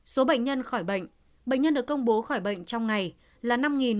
số bệnh nhân khỏi bệnh bệnh nhân được công bố khỏi bệnh trong ngày là năm một trăm sáu mươi ba